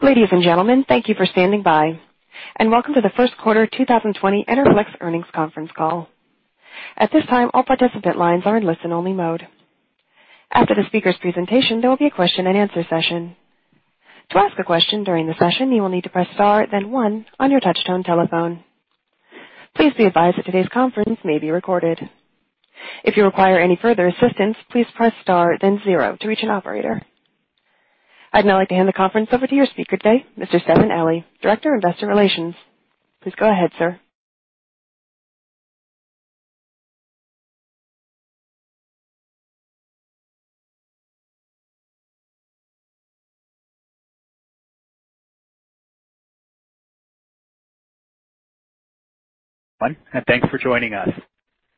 Ladies and gentlemen, thank you for standing by, and welcome to the first quarter 2020 Enerflex earnings conference call. At this time, all participant lines are in listen-only mode. After the speaker's presentation, there will be a question and answer session. To ask a question during the session, you will need to press star then one on your touchtone telephone. Please be advised that today's conference may be recorded. If you require any further assistance, please press star then zero to reach an operator. I'd now like to hand the conference over to your speaker today, Mr. Stefan Ali, Director of Investor Relations. Please go ahead, sir. Thanks for joining us.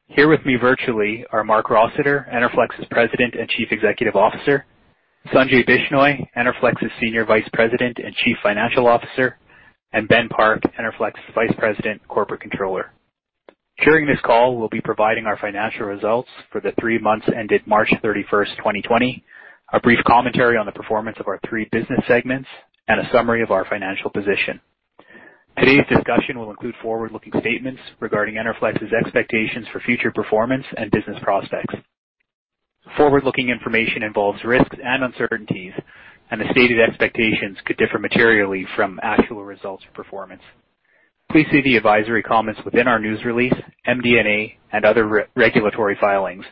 Here with me virtually are Marc Rossiter, Enerflex's President and Chief Executive Officer, Sanjay Bishnoi, Enerflex's Senior Vice President and Chief Financial Officer, and Ben Park, Enerflex's Vice President, Corporate Controller. During this call, we'll be providing our financial results for the three months ended March 31st, 2020, a brief commentary on the performance of our three business segments, and a summary of our financial position. Today's discussion will include forward-looking statements regarding Enerflex's expectations for future performance and business prospects. Forward-looking information involves risks and uncertainties, and the stated expectations could differ materially from actual results or performance. Please see the advisory comments within our news release, MD&A, and other regulatory filings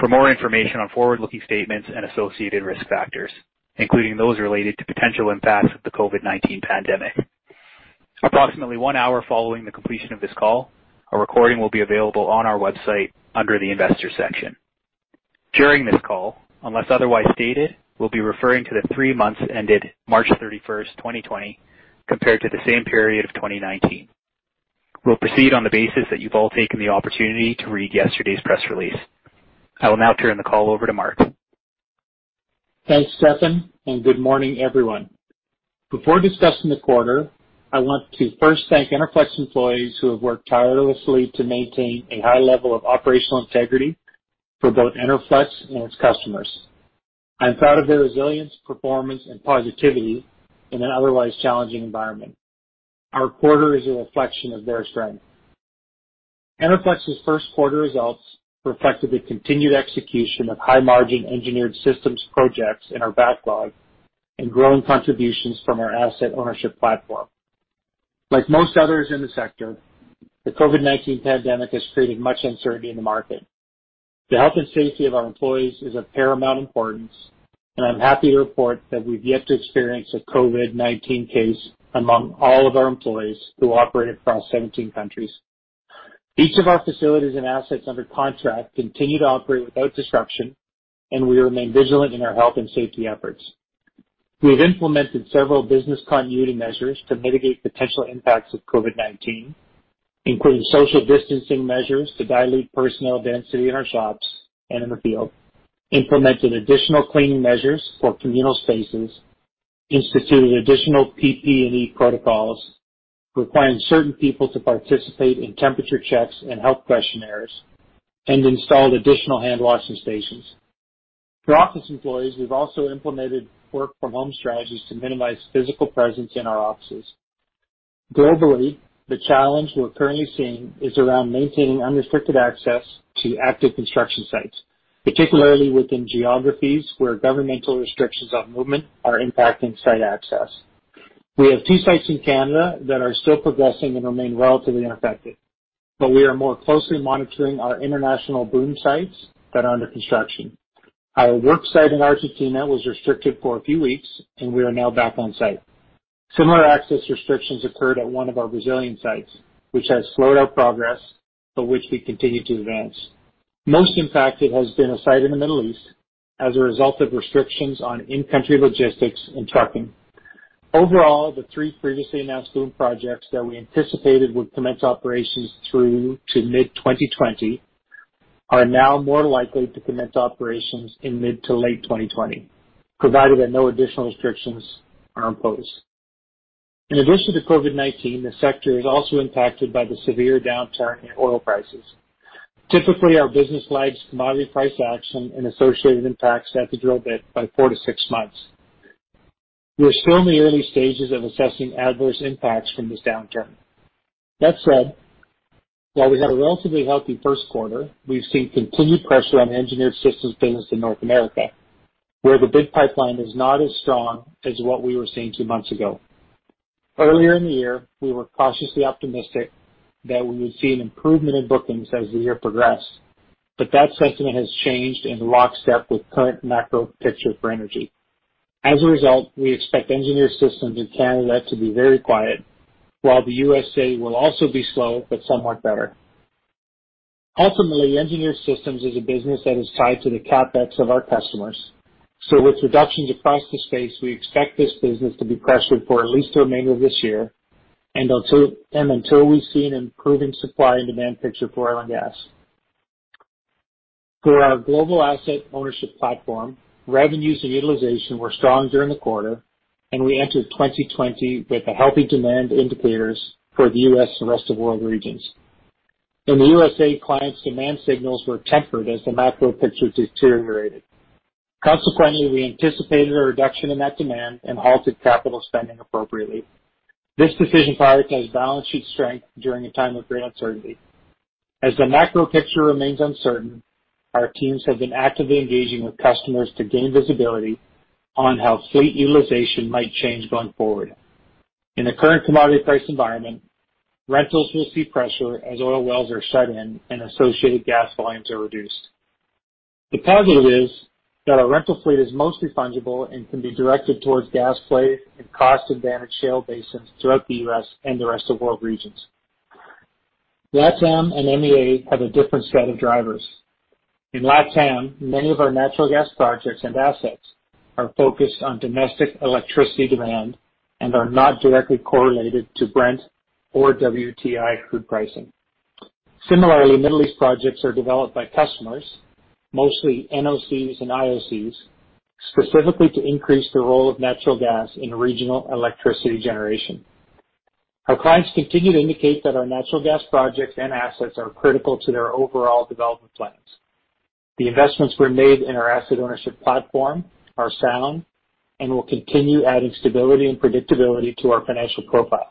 for more information on forward-looking statements and associated risk factors, including those related to potential impacts of the COVID-19 pandemic. Approximately one hour following the completion of this call, a recording will be available on our website under the investor section. During this call, unless otherwise stated, we'll be referring to the three months ended March 31st, 2020, compared to the same period of 2019. We'll proceed on the basis that you've all taken the opportunity to read yesterday's press release. I will now turn the call over to Marc. Thanks, Stefan. Good morning, everyone. Before discussing the quarter, I want to first thank Enerflex employees who have worked tirelessly to maintain a high level of operational integrity for both Enerflex and its customers. I am proud of their resilience, performance, and positivity in an otherwise challenging environment. Our quarter is a reflection of their strength. Enerflex's first quarter results reflected the continued execution of high-margin Engineered Systems projects in our backlog and growing contributions from our asset ownership platform. Like most others in the sector, the COVID-19 pandemic has created much uncertainty in the market. The health and safety of our employees is of paramount importance, and I'm happy to report that we've yet to experience a COVID-19 case among all of our employees who operate across 17 countries. Each of our facilities and assets under contract continue to operate without disruption, and we remain vigilant in our health and safety efforts. We have implemented several business continuity measures to mitigate potential impacts of COVID-19, including social distancing measures to dilute personnel density in our shops and in the field, implemented additional cleaning measures for communal spaces, instituted additional PPE protocols, requiring certain people to participate in temperature checks and health questionnaires, and installed additional handwashing stations. For office employees, we've also implemented work-from-home strategies to minimize physical presence in our offices. Globally, the challenge we're currently seeing is around maintaining unrestricted access to active construction sites, particularly within geographies where governmental restrictions on movement are impacting site access. We have two sites in Canada that are still progressing and remain relatively unaffected, but we are more closely monitoring our international BOOM sites that are under construction. Our work site in Argentina was restricted for a few weeks, and we are now back on site. Similar access restrictions occurred at one of our Brazilian sites, which has slowed our progress, but which we continue to advance. Most impacted has been a site in the Middle East as a result of restrictions on in-country logistics and trucking. Overall, the three previously announced BOOM projects that we anticipated would commence operations through to mid-2020 are now more likely to commence operations in mid to late 2020, provided that no additional restrictions are imposed. In addition to COVID-19, the sector is also impacted by the severe downturn in oil prices. Typically, our business lags commodity price action and associated impacts at the drill bit by four to six months. We are still in the early stages of assessing adverse impacts from this downturn. That said, while we had a relatively healthy first quarter, we've seen continued pressure on the Engineered Systems business in North America, where the bid pipeline is not as strong as what we were seeing two months ago. Earlier in the year, we were cautiously optimistic that we would see an improvement in bookings as the year progressed, but that sentiment has changed in lockstep with current macro picture for energy. As a result, we expect Engineered Systems in Canada to be very quiet, while the U.S.A. will also be slow, but somewhat better. Ultimately, Engineered Systems is a business that is tied to the CapEx of our customers. With reductions across the space, we expect this business to be pressured for at least the remainder of this year and until we see an improving supply and demand picture for oil and gas. For our global asset ownership platform, revenues and utilization were strong during the quarter, and we entered 2020 with the healthy demand indicators for the U.S. and Rest of World regions. In the U.S.A., clients' demand signals were tempered as the macro picture deteriorated. Consequently, we anticipated a reduction in that demand and halted capital spending appropriately. This decision prioritized balance sheet strength during a time of great uncertainty. As the macro picture remains uncertain, our teams have been actively engaging with customers to gain visibility on how fleet utilization might change going forward. In the current commodity price environment, rentals will see pressure as oil wells are shut in and associated gas volumes are reduced. The positive is that our rental fleet is mostly fungible and can be directed towards gas plays and cost-advantaged shale basins throughout the U.S. and the Rest of World regions. LATAM and MEA have a different set of drivers. In LATAM, many of our natural gas projects and assets are focused on domestic electricity demand and are not directly correlated to Brent or WTI crude pricing. Similarly, Middle East projects are developed by customers, mostly NOCs and IOCs, specifically to increase the role of natural gas in regional electricity generation. Our clients continue to indicate that our natural gas projects and assets are critical to their overall development plans. The investments we made in our asset ownership platform are sound and will continue adding stability and predictability to our financial profile.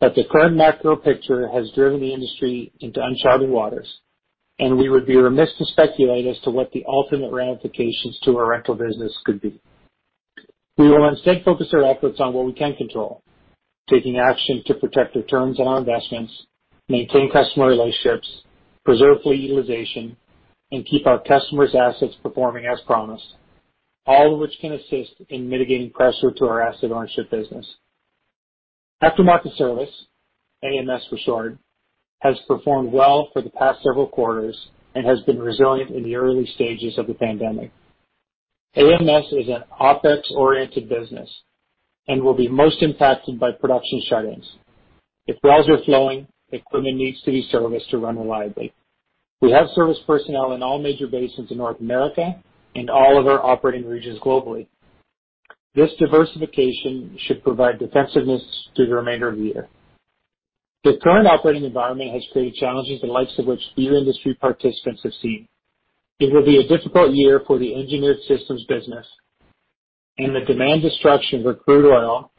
The current macro picture has driven the industry into uncharted waters, and we would be remiss to speculate as to what the ultimate ramifications to our rental business could be. We will instead focus our efforts on what we can control, taking action to protect returns on our investments, maintain customer relationships, preserve fleet utilization, and keep our customers' assets performing as promised, all of which can assist in mitigating pressure to our asset ownership business. After-Market Services, AMS for short, has performed well for the past several quarters and has been resilient in the early stages of the COVID-19 pandemic. AMS is an OpEx-oriented business and will be most impacted by production shutdowns. If wells are flowing, equipment needs to be serviced to run reliably. We have service personnel in all major basins in North America and all of our operating regions globally. This diversification should provide defensiveness through the remainder of the year. The current operating environment has created challenges the likes of which few industry participants have seen. It will be a difficult year for the Engineered Systems business. The demand destruction for crude oil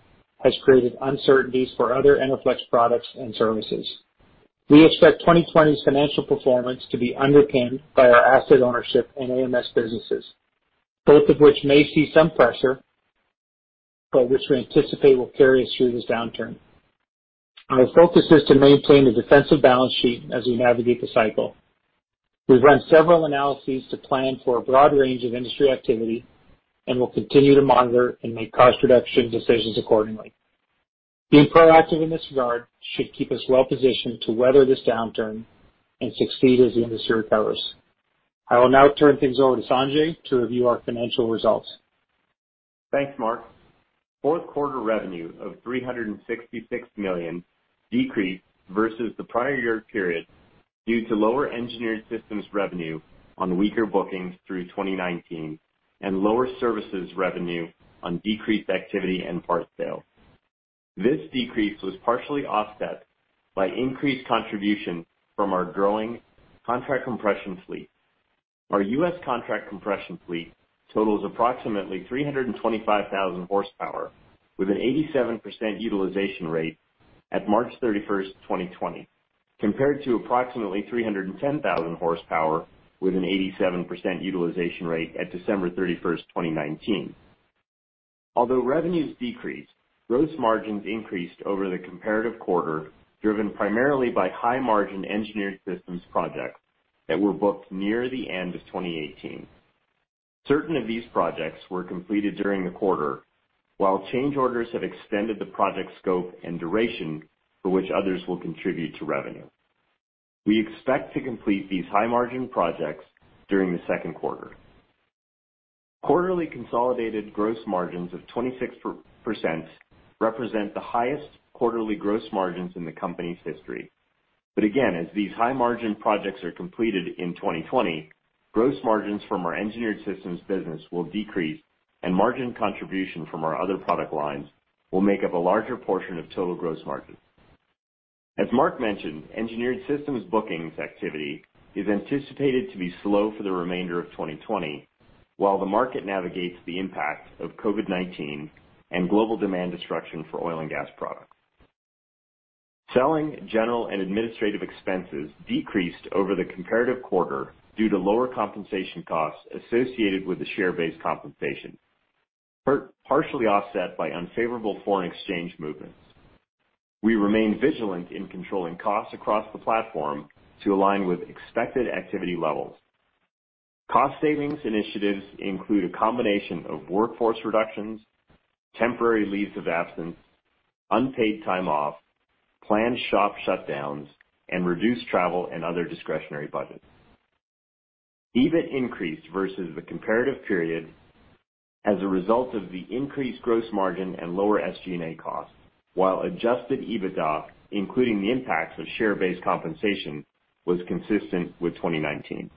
has created uncertainties for other Enerflex products and services. We expect 2020's financial performance to be underpinned by our asset ownership and AMS businesses, both of which may see some pressure, but which we anticipate will carry us through this downturn. Our focus is to maintain a defensive balance sheet as we navigate the cycle. We've run several analyses to plan for a broad range of industry activity and will continue to monitor and make cost reduction decisions accordingly. Being proactive in this regard should keep us well positioned to weather this downturn and succeed as the industry recovers. I will now turn things over to Sanjay to review our financial results. Thanks, Marc. First quarter revenue of 366 million decreased versus the prior year period due to lower Engineered Systems revenue on weaker bookings through 2019 and lower services revenue on decreased activity and parts sales. This decrease was partially offset by increased contribution from our growing contract compression fleet. Our U.S. contract compression fleet totals approximately 325,000 horsepower with an 87% utilization rate at March 31st, 2020, compared to approximately 310,000 horsepower with an 87% utilization rate at December 31st, 2019. Although revenues decreased, gross margins increased over the comparative quarter, driven primarily by high-margin Engineered Systems projects that were booked near the end of 2018. Certain of these projects were completed during the quarter, while change orders have extended the project scope and duration for which others will contribute to revenue. We expect to complete these high-margin projects during the second quarter. Quarterly consolidated gross margins of 26% represent the highest quarterly gross margins in the company's history. Again, as these high-margin projects are completed in 2020, gross margins from our Engineered Systems business will decrease and margin contribution from our other product lines will make up a larger portion of total gross margin. As Marc mentioned, Engineered Systems bookings activity is anticipated to be slow for the remainder of 2020, while the market navigates the impact of COVID-19 and global demand destruction for oil and gas products. Selling, General, and Administrative expenses decreased over the comparative quarter due to lower compensation costs associated with the share-based compensation, partially offset by unfavorable foreign exchange movements. We remain vigilant in controlling costs across the platform to align with expected activity levels. Cost savings initiatives include a combination of workforce reductions, temporary leaves of absence, unpaid time off, planned shop shutdowns, and reduced travel and other discretionary budgets. EBIT increased versus the comparative period as a result of the increased gross margin and lower SG&A costs, while adjusted EBITDA, including the impacts of share-based compensation, was consistent with 2019.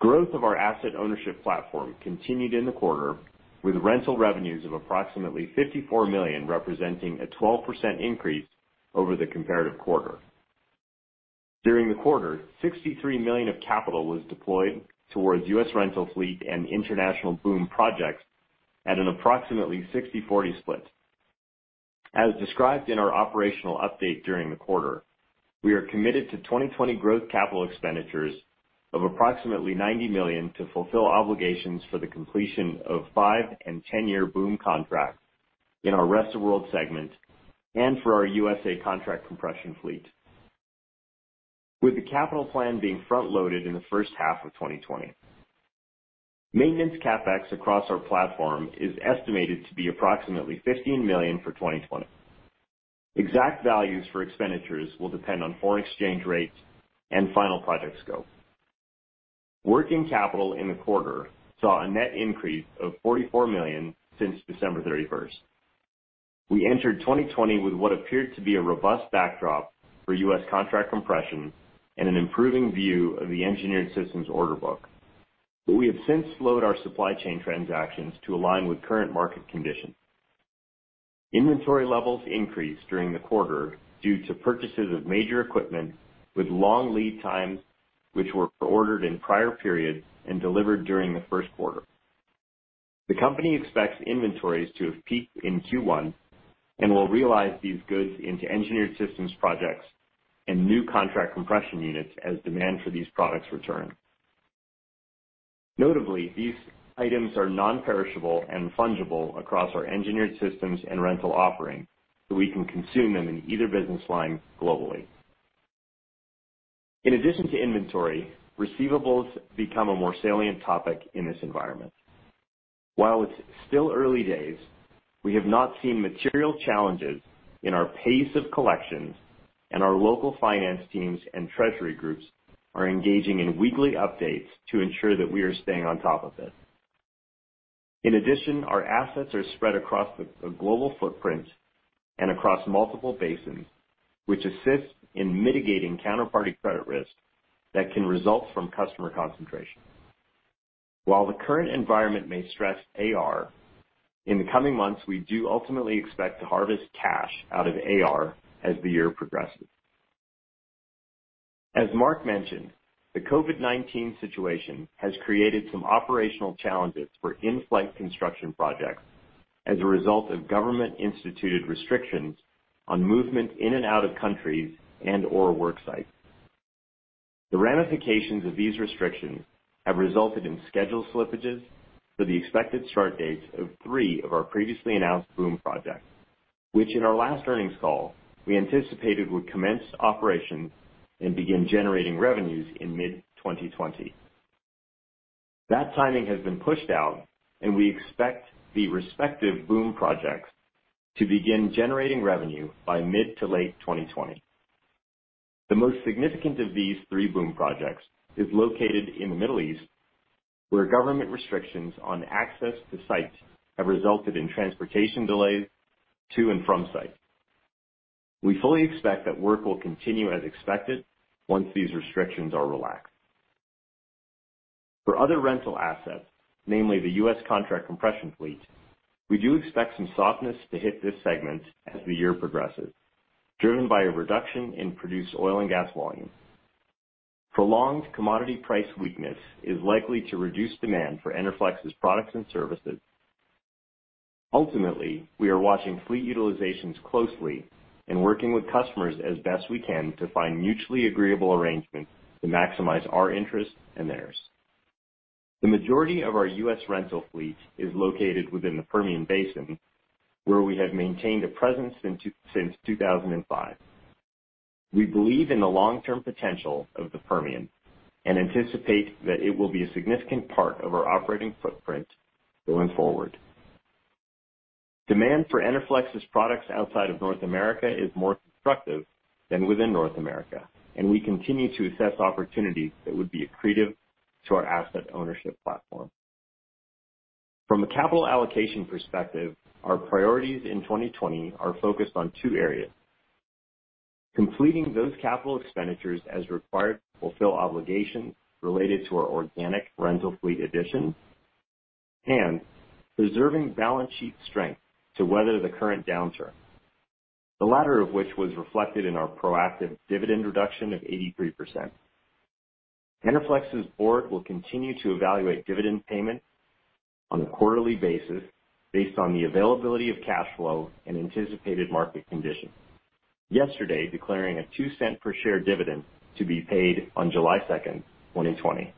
Growth of our asset ownership platform continued in the quarter with rental revenues of approximately 54 million, representing a 12% increase over the comparative quarter. During the quarter, 63 million of capital was deployed towards U.S. rental fleet and international BOOM projects at an approximately 60/40 split. As described in our operational update during the quarter, we are committed to 2020 growth capital expenditures of approximately 90 million to fulfill obligations for the completion of five and 10-year BOOM contracts in our Rest of World segment and for our U.S.A. contract compression fleet, with the capital plan being front-loaded in the first half of 2020. Maintenance CapEx across our platform is estimated to be approximately 15 million for 2020. Exact values for expenditures will depend on foreign exchange rates and final project scope. Working capital in the quarter saw a net increase of 44 million since December 31st. We entered 2020 with what appeared to be a robust backdrop for U.S. contract compression and an improving view of the Engineered Systems order book. We have since slowed our supply chain transactions to align with current market conditions. Inventory levels increased during the quarter due to purchases of major equipment with long lead times, which were ordered in prior periods and delivered during the first quarter. The company expects inventories to have peaked in Q1 and will realize these goods into Engineered Systems projects and new contract compression units as demand for these products return. Notably, these items are non-perishable and fungible across our Engineered Systems and rental offering, so we can consume them in either business line globally. In addition to inventory, receivables become a more salient topic in this environment. While it's still early days, we have not seen material challenges in our pace of collections, and our local finance teams and treasury groups are engaging in weekly updates to ensure that we are staying on top of this. In addition, our assets are spread across a global footprint and across multiple basins, which assist in mitigating counterparty credit risk that can result from customer concentration. While the current environment may stress AR, in the coming months, we do ultimately expect to harvest cash out of AR as the year progresses. As Marc mentioned, the COVID-19 situation has created some operational challenges for in-flight construction projects as a result of government-instituted restrictions on movement in and out of countries and/or work sites. The ramifications of these restrictions have resulted in schedule slippages for the expected start dates of three of our previously announced BOOM projects, which in our last earnings call, we anticipated would commence operations and begin generating revenues in mid-2020. That timing has been pushed out, and we expect the respective BOOM projects to begin generating revenue by mid to late 2020. The most significant of these three BOOM projects is located in the Middle East, where government restrictions on access to sites have resulted in transportation delays to and from site. We fully expect that work will continue as expected once these restrictions are relaxed. For other rental assets, namely the U.S. contract compression fleet, we do expect some softness to hit this segment as the year progresses, driven by a reduction in produced oil and gas volumes. Prolonged commodity price weakness is likely to reduce demand for Enerflex's products and services. Ultimately, we are watching fleet utilizations closely and working with customers as best we can to find mutually agreeable arrangements to maximize our interests and theirs. The majority of our U.S. rental fleet is located within the Permian Basin, where we have maintained a presence since 2005. We believe in the long-term potential of the Permian and anticipate that it will be a significant part of our operating footprint going forward. Demand for Enerflex's products outside of North America is more constructive than within North America, and we continue to assess opportunities that would be accretive to our asset ownership platform. From a capital allocation perspective, our priorities in 2020 are focused on two areas: completing those capital expenditures as required to fulfill obligations related to our organic rental fleet additions and preserving balance sheet strength to weather the current downturn, the latter of which was reflected in our proactive dividend reduction of 83%. Enerflex's board will continue to evaluate dividend payment on a quarterly basis based on the availability of cash flow and anticipated market conditions, yesterday declaring a 0.02 per share dividend to be paid on July 2nd, 2020.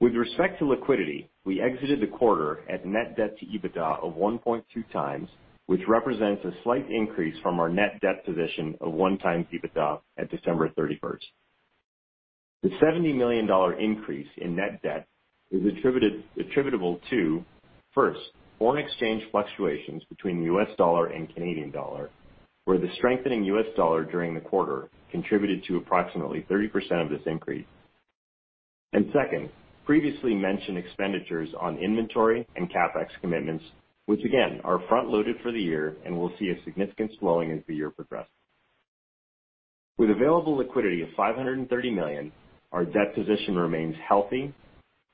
With respect to liquidity, we exited the quarter at net debt to EBITDA of 1.2x, which represents a slight increase from our net debt position of 1x EBITDA at December 31st. The 70 million dollar increase in net debt is attributable to, first, foreign exchange fluctuations between U.S. dollar and Canadian dollar, where the strengthening U.S. dollar during the quarter contributed to approximately 30% of this increase. Second, previously mentioned expenditures on inventory and CapEx commitments, which again, are front loaded for the year and will see a significant slowing as the year progress. With available liquidity of 530 million, our debt position remains healthy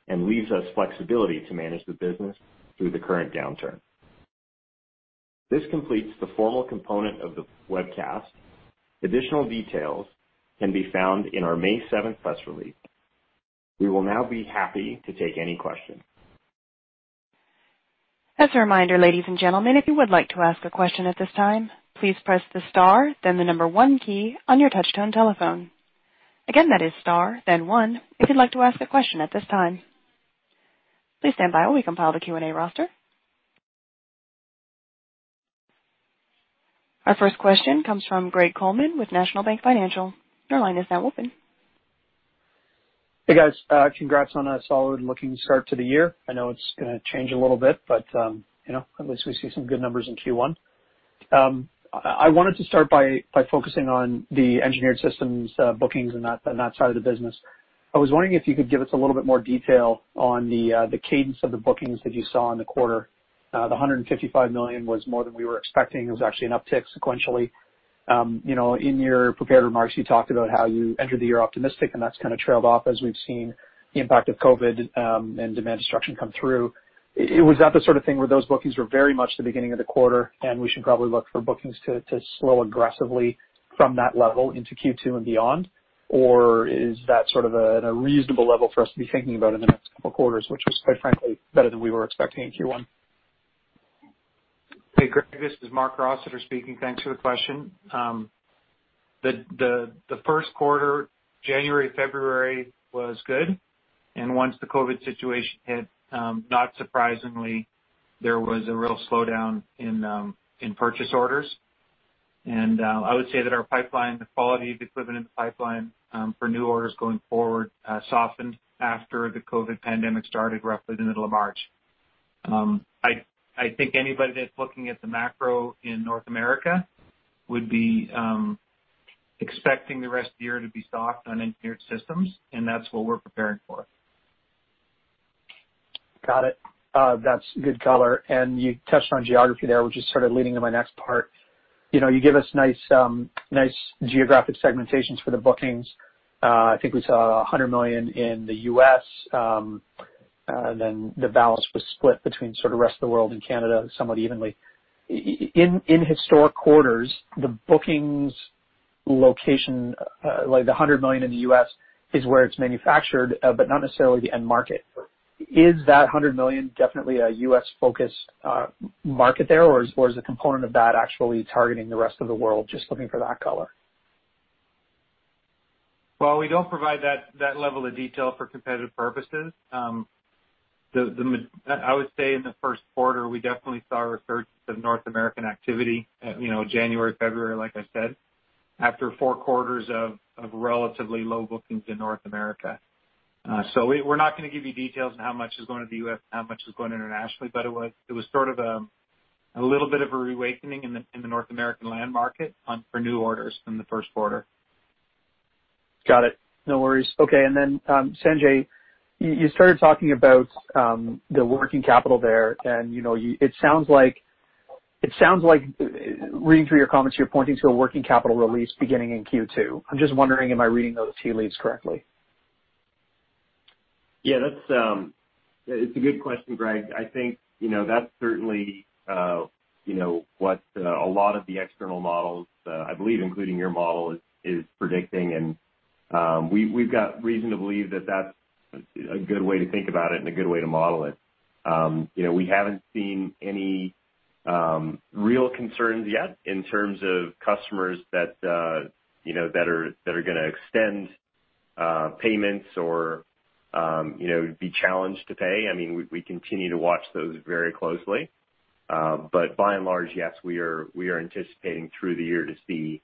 and leaves us flexibility to manage the business through the current downturn. This completes the formal component of the webcast. Additional details can be found in our May 7th press release. We will now be happy to take any questions. As a reminder, ladies and gentlemen, if you would like to ask a question at this time, please press the star, then the number 1 key on your touchtone telephone. Again, that is star, then one, if you'd like to ask a question at this time. Please stand by while we compile the Q&A roster. Our first question comes from Greg Coleman with National Bank Financial. Your line is now open. Hey, guys. Congrats on a solid-looking start to the year. I know it's going to change a little bit, at least we see some good numbers in Q1. I wanted to start by focusing on the Engineered Systems bookings and that side of the business. I was wondering if you could give us a little bit more detail on the cadence of the bookings that you saw in the quarter. The 155 million was more than we were expecting. It was actually an uptick sequentially. In your prepared remarks, you talked about how you entered the year optimistic, and that's kind of trailed off as we've seen the impact of COVID-19, and demand destruction come through. Was that the sort of thing where those bookings were very much the beginning of the quarter, and we should probably look for bookings to slow aggressively from that level into Q2 and beyond? Or is that sort of at a reasonable level for us to be thinking about in the next couple of quarters, which was, quite frankly, better than we were expecting in Q1? Hey, Greg, this is Marc Rossiter speaking. Thanks for the question. The first quarter, January, February, was good. Once the COVID-19 situation hit, not surprisingly, there was a real slowdown in purchase orders. I would say that our pipeline, the quality of the equipment pipeline for new orders going forward softened after the COVID-19 pandemic started roughly the middle of March. I think anybody that's looking at the macro in North America would be expecting the rest of the year to be soft on Engineered Systems, and that's what we're preparing for. Got it. That's good color. You touched on geography there, which is sort of leading to my next part. You give us nice geographic segmentations for the bookings. I think we saw $100 million in the U.S., and then the balance was split between sort of the Rest of World and Canada somewhat evenly. In historic quarters, the bookings location, like the $100 million in the U.S., is where it's manufactured, but not necessarily the end market. Is that $100 million definitely a U.S.-focused market there, or is a component of that actually targeting the Rest of World? Just looking for that color. We don't provide that level of detail for competitive purposes. I would say in the first quarter, we definitely saw a resurgence of North American activity, January, February, like I said, after four quarters of relatively low bookings in North America. We're not going to give you details on how much is going to the U.S., how much is going internationally. It was sort of a little bit of a reawakening in the North American land market for new orders in the first quarter. Got it. No worries. Okay. Sanjay, you started talking about the working capital there, and it sounds like reading through your comments, you're pointing to a working capital release beginning in Q2. I'm just wondering, am I reading those tea leaves correctly? It's a good question, Greg. I think that's certainly what a lot of the external models, I believe, including your model, is predicting. We've got reason to believe that that's a good way to think about it and a good way to model it. We haven't seen any real concerns yet in terms of customers that are going to extend payments or be challenged to pay. We continue to watch those very closely. By and large, yes, we are anticipating through the year to see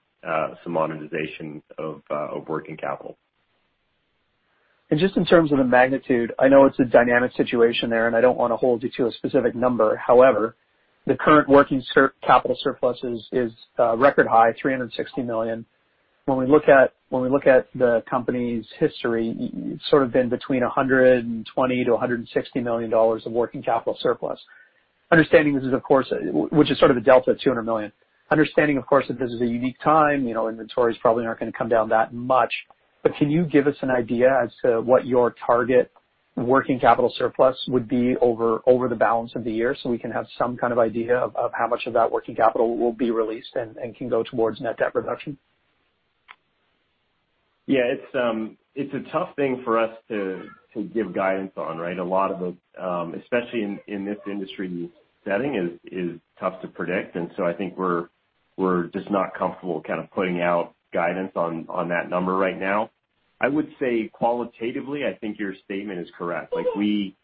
some monetization of working capital. Just in terms of the magnitude, I know it's a dynamic situation there, and I don't want to hold you to a specific number. However, the current working capital surplus is record high, 360 million. When we look at the company's history, sort of been between 120 million-160 million dollars of working capital surplus. Understanding this is, of course, which is sort of the delta of 200 million. Understanding, of course, that this is a unique time, inventories probably aren't going to come down that much, but can you give us an idea as to what your target working capital surplus would be over the balance of the year so we can have some kind of idea of how much of that working capital will be released and can go towards net debt reduction? It's a tough thing for us to give guidance on, right? Especially in this industry setting is tough to predict. I think we're just not comfortable kind of putting out guidance on that number right now. I would say qualitatively, I think your statement is correct. We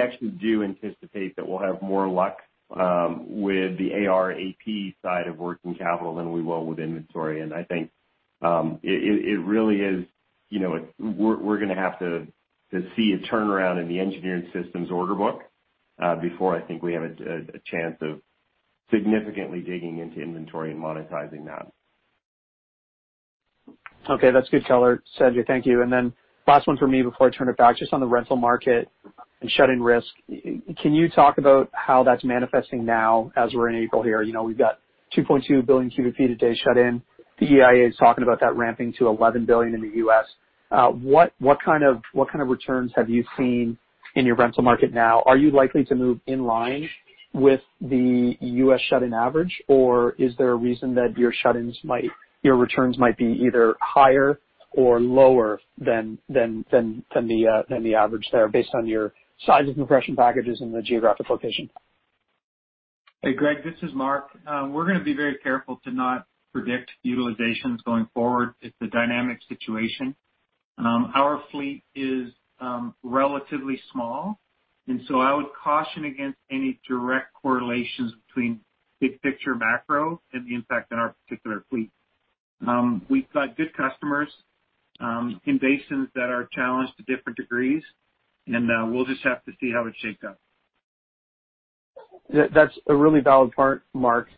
actually do anticipate that we'll have more luck with the AR AP side of working capital than we will with inventory. I think it really is we're going to have to see a turnaround in the Engineered Systems order book before I think we have a chance of significantly digging into inventory and monetizing that. Okay, that's good color, Sanjay, thank you. Then last one from me before I turn it back, just on the rental market and shut-in risk. Can you talk about how that's manifesting now as we're in April here? We've got 2.2 Bcf/d shut in. The EIA is talking about that ramping to 11 Bcf/d in the U.S. What kind of returns have you seen in your rental market now? Are you likely to move in line with the U.S. shut-in average, or is there a reason that your returns might be either higher or lower than the average there based on your size of compression packages and the geographic location? Hey, Greg, this is Marc. We're going to be very careful to not predict utilizations going forward. It's a dynamic situation. Our fleet is relatively small, I would caution against any direct correlations between big picture macro and the impact on our particular fleet. We've got good customers in basins that are challenged to different degrees, we'll just have to see how it's shaped up. That's a really valid point, Marc.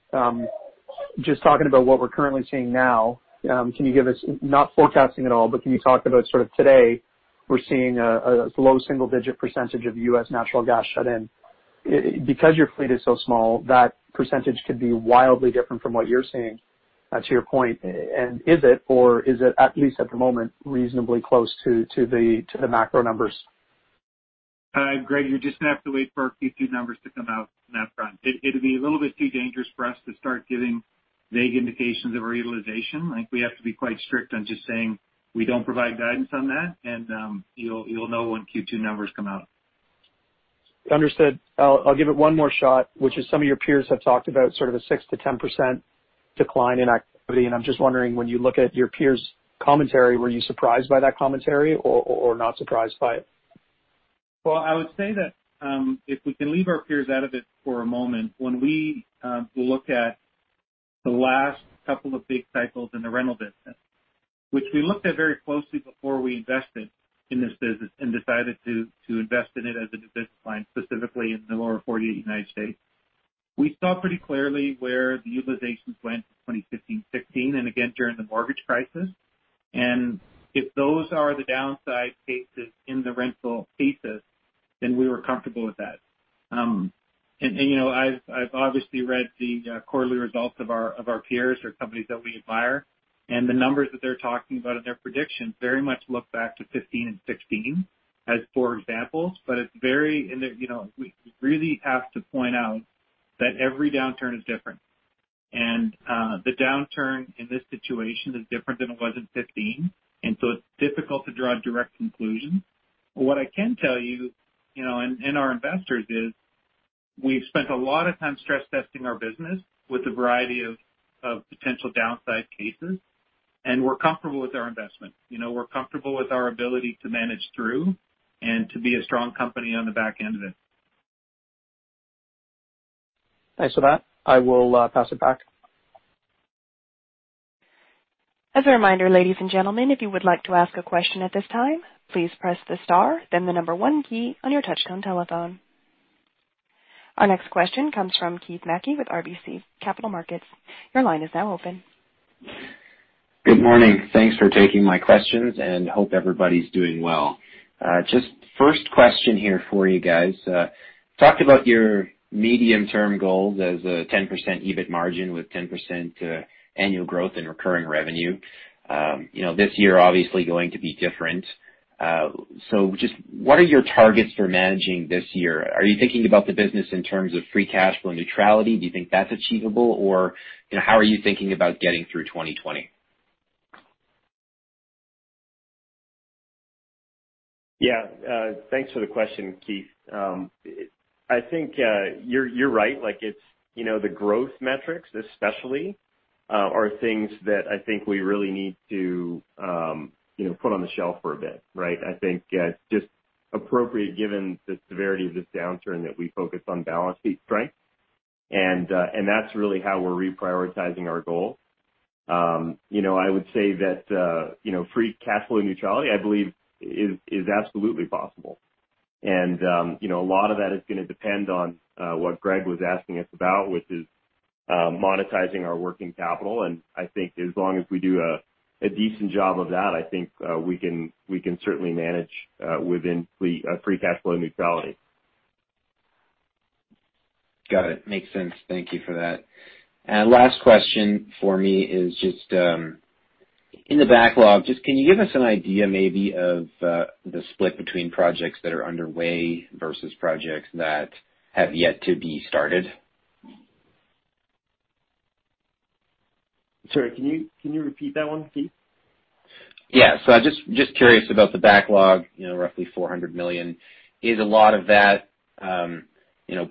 Just talking about what we're currently seeing now, not forecasting at all, but can you talk about today we're seeing a low single-digit percentage of U.S. natural gas shut in. Because your fleet is so small, that % could be wildly different from what you're seeing, to your point. Is it, or is it, at least at the moment, reasonably close to the macro numbers? Greg, you're just going to have to wait for our Q2 numbers to come out on that front. It'd be a little bit too dangerous for us to start giving vague indications of our utilization. I think we have to be quite strict on just saying we don't provide guidance on that, and you'll know when Q2 numbers come out. Understood. I'll give it one more shot, which is some of your peers have talked about a 6%-10% decline in activity. I'm just wondering, when you look at your peers' commentary, were you surprised by that commentary or not surprised by it? I would say that, if we can leave our peers out of it for a moment, when we look at the last couple of big cycles in the rental business, which we looked at very closely before we invested in this business and decided to invest in it as a new business line, specifically in the lower 48 U.S. We saw pretty clearly where the utilizations went from 2015 to 2016, and again during the mortgage crisis. If those are the downside cases in the rental thesis, then we were comfortable with that. I've obviously read the quarterly results of our peers or companies that we admire, and the numbers that they're talking about in their predictions very much look back to 2015 and 2016 as core examples. We really have to point out that every downturn is different. The downturn in this situation is different than it was in 2015, and so it's difficult to draw direct conclusions. What I can tell you, and our investors is we've spent a lot of time stress testing our business with a variety of potential downside cases, and we're comfortable with our investment. We're comfortable with our ability to manage through and to be a strong company on the back end of it. Thanks for that. I will pass it back. As a reminder, ladies and gentlemen, if you would like to ask a question at this time, please press the star, then the number one key on your touchtone telephone. Our next question comes from Keith MacKay with RBC Capital Markets. Your line is now open. Good morning. Thanks for taking my questions, and hope everybody's doing well. Just first question here for you guys. Talked about your medium-term goals as a 10% EBIT margin with 10% annual growth in recurring revenue. This year obviously going to be different. Just what are your targets for managing this year? Are you thinking about the business in terms of free cash flow neutrality? Do you think that's achievable? How are you thinking about getting through 2020? Yeah. Thanks for the question, Keith. I think you're right. The growth metrics, especially, are things that I think we really need to put on the shelf for a bit, right? I think it's just appropriate, given the severity of this downturn, that we focus on balance sheet strength, and that's really how we're reprioritizing our goals. I would say that free cash flow neutrality, I believe, is absolutely possible. A lot of that is going to depend on what Greg was asking us about, which is monetizing our working capital, and I think as long as we do a decent job of that, I think we can certainly manage within free cash flow neutrality. Got it. Makes sense. Thank you for that. Last question for me is just in the backlog, just can you give us an idea maybe of the split between projects that are underway versus projects that have yet to be started? Sorry, can you repeat that one, Keith? Just curious about the backlog, roughly 400 million. Is a lot of that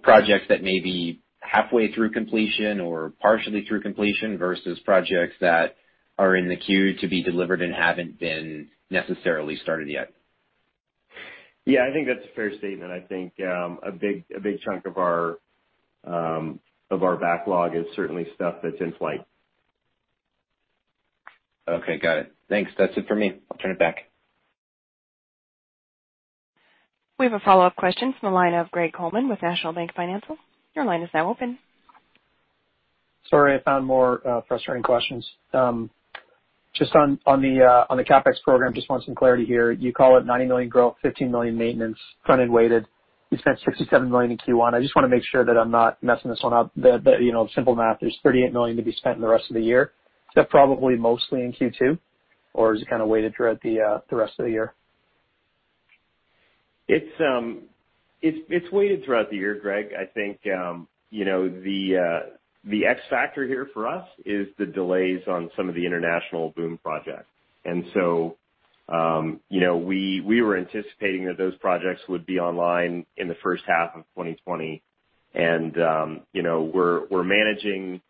projects that may be halfway through completion or partially through completion versus projects that are in the queue to be delivered and haven't been necessarily started yet? Yeah, I think that's a fair statement. I think a big chunk of our backlog is certainly stuff that's in flight. Okay, got it. Thanks. That's it for me. I'll turn it back. We have a follow-up question from the line of Greg Coleman with National Bank Financial. Your line is now open. Sorry, I found more frustrating questions. Just on the CapEx program, just want some clarity here. You call it 90 million growth, 15 million maintenance, front-end weighted. You spent 67 million in Q1. I just want to make sure that I'm not messing this one up. The simple math, there's 38 million to be spent in the rest of the year. Is that probably mostly in Q2? Or is it kind of weighted throughout the rest of the year? It's weighted throughout the year, Greg. I think the X factor here for us is the delays on some of the international BOOM projects. We were anticipating that those projects would be online in the first half of 2020, and we're managing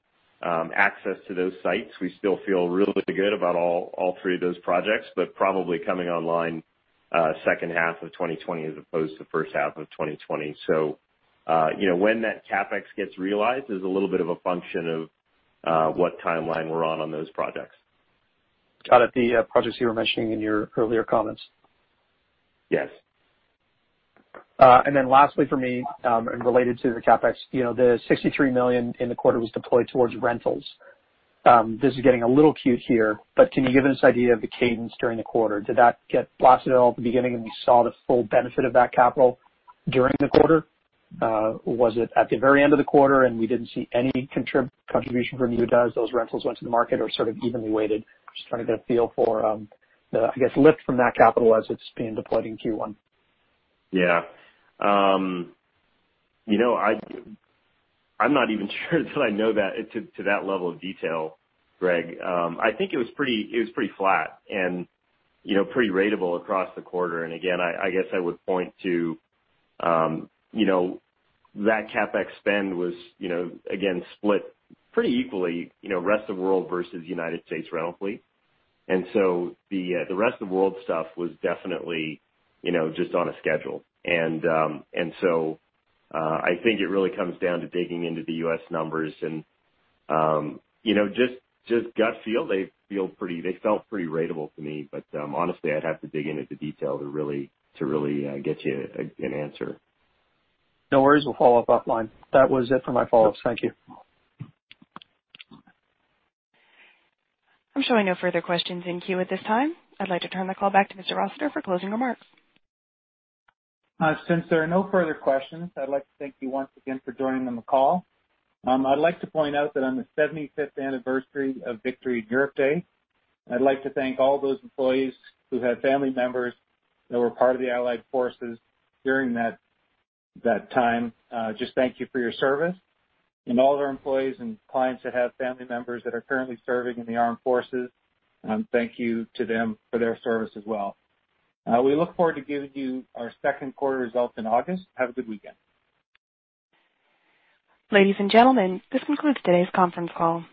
access to those sites. We still feel really good about all three of those projects, but probably coming online second half of 2020 as opposed to first half of 2020. When that CapEx gets realized is a little bit of a function of what timeline we're on those projects. Got it. The projects you were mentioning in your earlier comments. Yes. Lastly for me, and related to the CapEx, 63 million in the quarter was deployed towards rentals. This is getting a little cute here, but can you give us an idea of the cadence during the quarter? Did that get blasted all at the beginning, and we saw the full benefit of that capital during the quarter? Was it at the very end of the quarter and we didn't see any contribution from you as those rentals went to the market or sort of evenly weighted? Just trying to get a feel for the, I guess, lift from that capital as it's being deployed in Q1. Yeah. I'm not even sure that I know that to that level of detail, Greg. I think it was pretty flat and pretty ratable across the quarter. Again, I guess I would point to that CapEx spend was again split pretty equally Rest of World versus U.S. rental fleet. The Rest of World stuff was definitely just on a schedule. I think it really comes down to digging into the U.S. numbers and just gut feel. They felt pretty ratable to me. Honestly, I'd have to dig into the detail to really get you an answer. No worries. We'll follow up offline. That was it for my follow-ups. Thank you. I'm showing no further questions in queue at this time. I'd like to turn the call back to Mr. Rossiter for closing remarks. Since there are no further questions, I'd like to thank you once again for joining on the call. I'd like to point out that on the 75th anniversary of Victory in Europe Day, I'd like to thank all those employees who had family members that were part of the Allied Forces during that time. Just thank you for your service. All of our employees and clients that have family members that are currently serving in the armed forces, thank you to them for their service as well. We look forward to giving you our second quarter results in August. Have a good weekend. Ladies and gentlemen, this concludes today's conference call.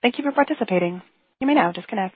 Thank you for participating. You may now disconnect.